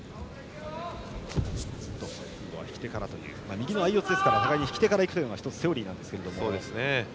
右の相四つですから互いに引き手から行くのが１つセオリーなんですけれども。